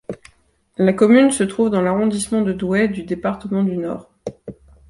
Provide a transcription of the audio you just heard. La commune se trouve dans l'arrondissement de Douai du département du Nord.